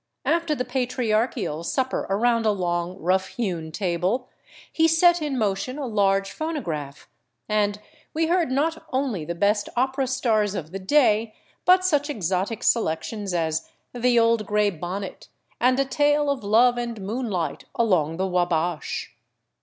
After the patriarchial supper around a long, rough hewn table, he set in motion a large phono graph, and we heard not only the best opera stars of the day, but such exotic selections as " The Old Gray Bonnet," and a tale of love and moonlight along the Wabash.